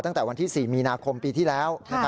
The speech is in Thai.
ตั้งแต่วันที่๔มีนาคมปีที่แล้ว